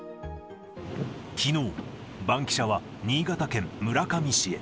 きのう、バンキシャは新潟県村上市へ。